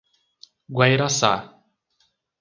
Guairaçá